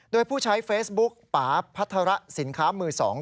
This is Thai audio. โดยผู้ใช้เฟซบุ๊กป่าพัฒระสินค้ามือ๒